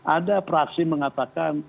ada praksi mengatakan